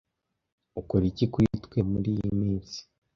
Ukora iki kuri twe muri iyi minsi?